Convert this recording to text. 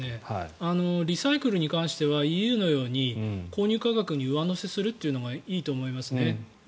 リサイクルに関してはＥＵのように購入価格に上乗せするのがいいと思います。